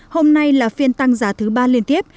hôm nay là phiên tăng giá thứ ba liên tiếp